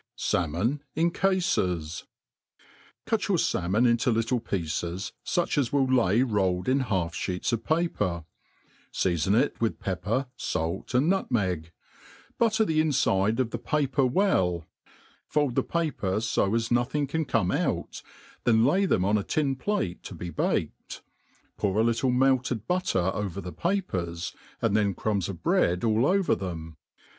Salmon in Cafes* CUT yOur falmon into little pieces, fuch as will lay rolled in half fheets of paper Seafo/i it with pbpper, falt^ and nut* meg; butter the inside of the paper weli» fold the paper fo as nothing can come out, then lay them on a tin»p]ate to be baked, pour a little melted butter oyer the' papers, and then crumbs of bread all over them.